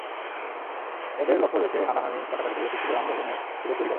এদের লক্ষ্য দেশে হানাহানি, কাটাকাটির পরিবেশ সৃষ্টি করে আন্দোলনের সুযোগ তৈরি করা।